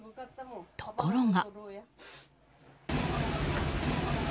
ところが。